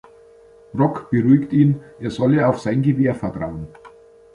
Rock beruhigt ihn, er solle auf sein Gewehr vertrauen.